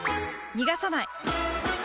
逃がさない！